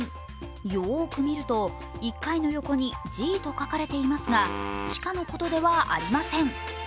よーく見ると１階の横にＧと書かれていますが地下のことではありません。